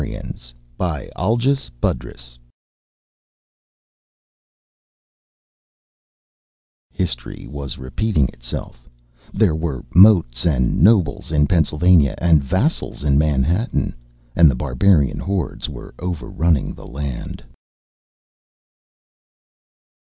net _History was repeating itself; there were moats and nobles in Pennsylvania and vassals in Manhattan and the barbarian hordes were overrunning the land.